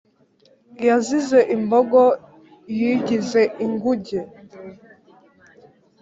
yazize imbogo yigize ingunge